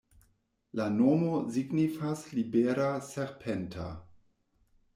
La nomo signifas libera-serpenta.